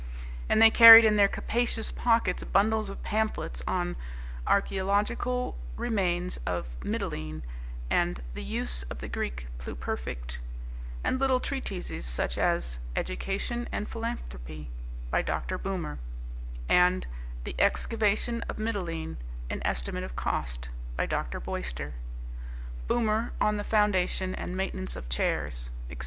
And they carried in their capacious pockets bundles of pamphlets on "Archaeological Remains of Mitylene," and the "Use of the Greek Pluperfect," and little treatises such as "Education and Philanthropy," by Dr. Boomer, and "The Excavation of Mitylene: An Estimate of Cost," by Dr. Boyster, "Boomer on the Foundation and Maintenance of Chairs," etc.